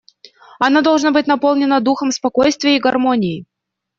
Оно должно быть наполнено духом спокойствия и гармонии.